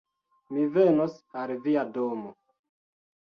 Mi venos al via domo